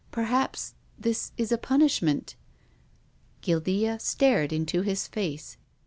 Perhaps this is a punishment." Guildea stared into his face.